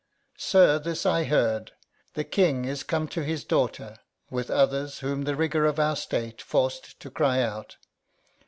Sir, this I hear: the King is come to his daughter, With others whom the rigour of our state Forc'd to cry out.